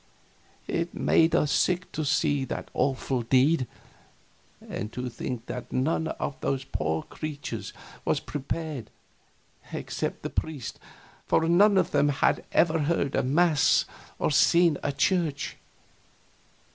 It made us sick to see that awful deed, and to think that none of those poor creatures was prepared except the priest, for none of them had ever heard a mass or seen a church.